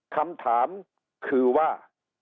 คำถามคือว่า